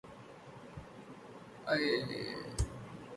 یکجہتی کےلئے ضروری ہے کہ فلسطینیوں کے حقوق کی جدوجہد کو